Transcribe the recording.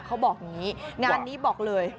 เขาบอกอย่างนี้งานนี้บอกเลย